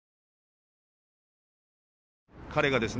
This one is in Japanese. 彼がですね